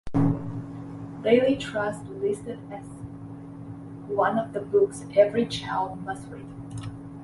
Daily Trust listed it as one of the books every child must read.